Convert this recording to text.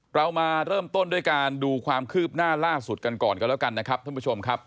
เรามาเริ่มต้นด้วยการดูความคืบหน้าล่าสุดกันก่อนกันแล้วกันนะครับท่านผู้ชมครับ